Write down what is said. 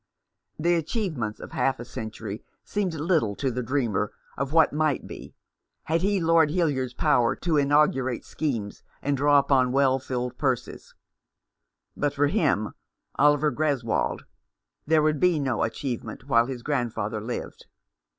The achievements of half a century seemed little to the dreamer of what might be, had he Lord Hildyard's power to inaugurate schemes and draw 348 The Man behind the Mask. upon well filled purses. But for him, Oliver Gres wold, there would be no achievement while his grandfather lived.